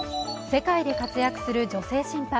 世界で活躍する女性審判。